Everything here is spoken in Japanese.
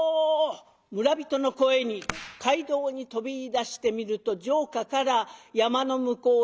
村人の声に街道に飛びいだしてみると城下から山の向こう